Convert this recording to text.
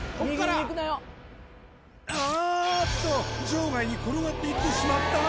あーっと場外に転がっていってしまった！